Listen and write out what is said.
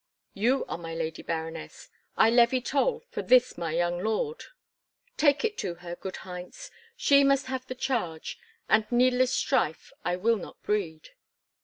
"You are my Lady Baroness. I levy toll for this my young lord." "Take it to her, good Heinz, she must have the charge, and needless strife I will not breed."